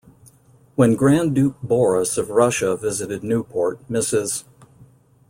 When Grand Duke Boris of Russia visited Newport, Mrs.